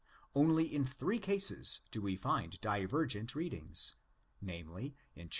Only in three cases do we find divergent readings—namely, in 111.